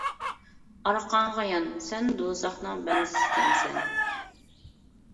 -ئارقاڭغا يان، سەن دوزاخنىڭ بەندىسى ئىكەنسەن.